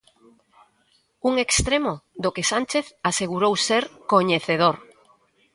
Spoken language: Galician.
Un extremo do que Sánchez asegurou ser "coñecedor".